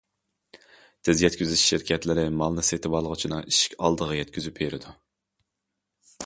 تېز يەتكۈزۈش شىركەتلىرى مالنى سېتىۋالغۇچىنىڭ ئىشىك ئالدىغا يەتكۈزۈپ بېرىدۇ.